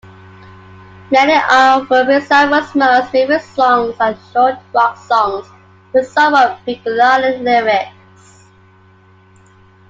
Many of Peitsamo's most famous songs are short rock songs with somewhat peculiar lyrics.